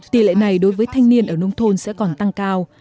tỷ lệ này đối với thanh niên ở nông thôn sẽ còn tăng cao